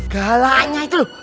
galaknya itu loh